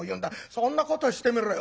「そんなことしてみろよ。